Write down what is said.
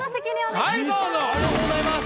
ありがとうございます。